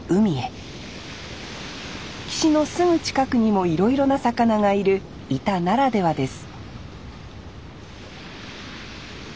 岸のすぐ近くにもいろいろな魚がいる井田ならではです